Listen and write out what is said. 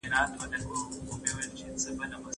په جومات کې د اذان غږ د روح د سکون لامل ګرځي.